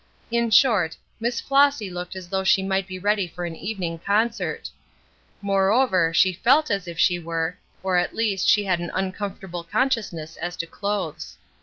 In short, Miss Flossy looked as though she might be ready for an evening concert. Moreover, she felt as if she were, or at least she had an uncomfortable consciousness as to clothes.